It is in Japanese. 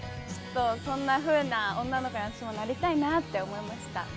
そんなふうな女の子に私もなりたいなって思いました。